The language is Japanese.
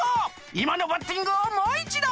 いまのバッティングをもういちど！